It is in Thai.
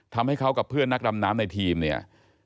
ทำให้เขากับเพื่อนนักดำน้ำในทีมเนี่ย